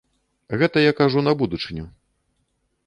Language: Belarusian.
Гэта я кажу на будучыню.